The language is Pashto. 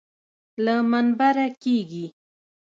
له منبره کېږي.